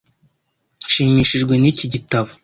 Nshimishijwe n'iki gitabo.